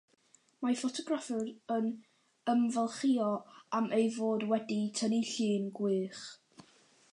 Mae ffotograffydd yn ymfalchïo am ei fod wedi tynnu llun gwych.